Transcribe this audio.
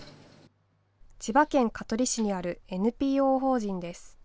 千葉県香取市にあるＮＰＯ法人です。